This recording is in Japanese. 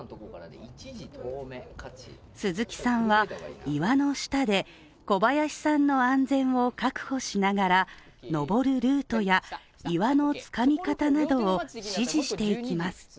鈴木さんは、岩の下で小林さんの安全を確保しながら登るルートや岩のつかみ方などを指示していきます。